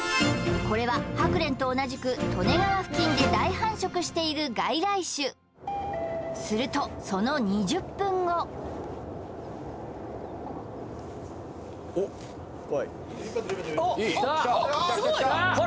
これはハクレンと同じく利根川付近で大繁殖している外来種するとその２０分後おっいい来た！